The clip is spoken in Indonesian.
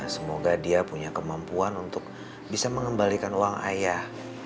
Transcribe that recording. semoga dia punya kemampuan untuk bisa mengembalikan uang ayah